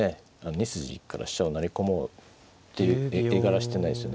２筋から飛車を成り込もうっていう絵柄してないですよね